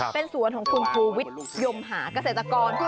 เป็นสวนของคุณภูวิทยมหาเกษตรกร